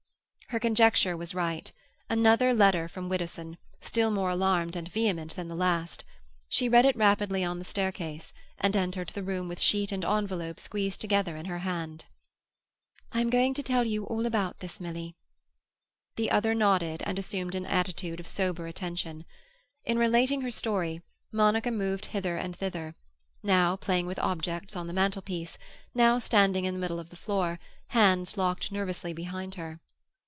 Her conjecture was right. Another letter from Widdowson, still more alarmed and vehement than the last. She read it rapidly on the staircase, and entered the room with sheet and envelope squeezed together in her hand. "I'm going to tell you all about this, Milly." The other nodded and assumed an attitude of sober attention. In relating her story, Monica moved hither and thither; now playing with objects on the mantlepiece, now standing in the middle of the floor, hands locked nervously behind her.